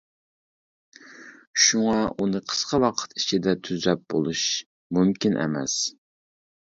شۇڭا ئۇنى قىسقا ۋاقىت ئىچىدە تۈزەپ بولۇش مۇمكىن ئەمەس.